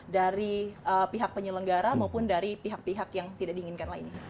dari pihak penyelenggara maupun dari pihak pihak yang tidak diinginkan lainnya